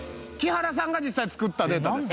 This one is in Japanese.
木原さんが実際作ったデータです。